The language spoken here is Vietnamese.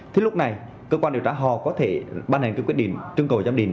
thì lúc này cơ quan điều tra họ có thể ban hành quyết định trưng cầu giám định